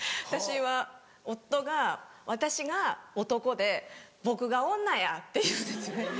私は夫が私が男で僕が女やって言うんですね。